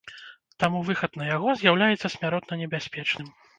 Таму выхад на яго з'яўляецца смяротна небяспечным.